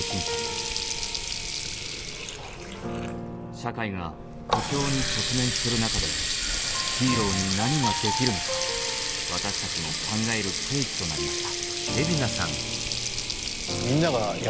社会が苦境に直面する中でヒーローに何ができるのか私たちも考える契機となりました。